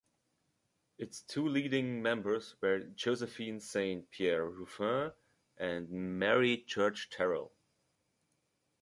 Its two leading members were Josephine Saint Pierre Ruffin and Mary Church Terrell.